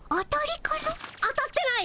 当たってない。